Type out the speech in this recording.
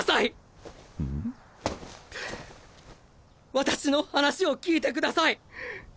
私の話を聞いてください。